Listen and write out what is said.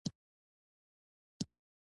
ميرويس خان خپل آس ته پونده ورکړه.